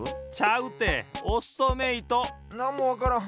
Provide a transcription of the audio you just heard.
なんもわからん。